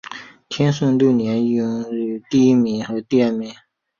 天顺六年壬午科顺天乡试第一名。